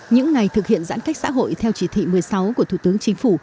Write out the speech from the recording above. những ngày thực hiện giãn cách xã hội theo chỉ thị một mươi sáu của thủ tướng chính phủ